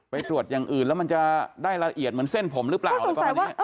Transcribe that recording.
ไปตรวจอย่างอื่นแล้วมันจะได้ละเอียดเหมือนเส้นผมหรือเปล่า